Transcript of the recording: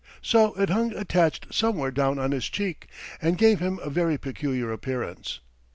So it hung attached somewhere down on his cheek, and gave him a very peculiar appearance.